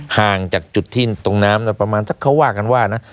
ห่างจากจุดที่ตรงน้ำประมาณสักเขาว่ากันว่านะ